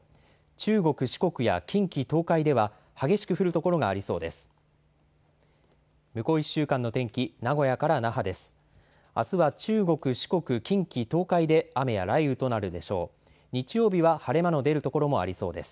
中国、四国や近畿、東海では、激しく降る所がありそうです。